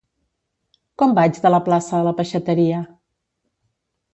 Com vaig de la Plaça a la peixateria?